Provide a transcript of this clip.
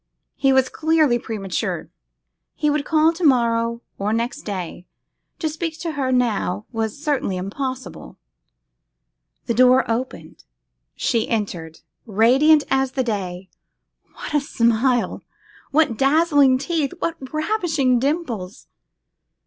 He was clearly premature; he would call to morrow or next day: to speak to her now was certainly impossible. The door opened; she entered, radiant as the day! What a smile! what dazzling teeth! what ravishing dimples!